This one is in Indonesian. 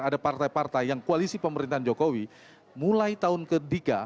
ada partai partai yang koalisi pemerintahan jokowi mulai tahun ketiga